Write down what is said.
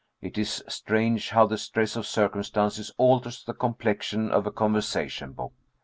It is strange how the stress of circumstances alters the complexion of a conversation book!